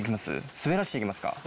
滑らせて行きますか。